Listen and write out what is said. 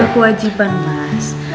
udah kewajiban mas